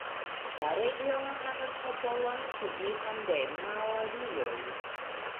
La regiono havas popolon signifan de maorioj.